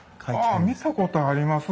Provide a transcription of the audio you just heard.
ああ見たことあります。